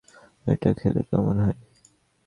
এটা খেলে কেমন হয়?